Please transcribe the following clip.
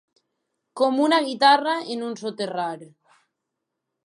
Com una guitarra en un soterrar.